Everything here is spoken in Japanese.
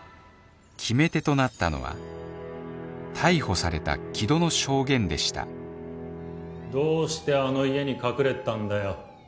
決め手となったのは逮捕された木戸の証言でしたどうしてあの家に隠れていたんだよ？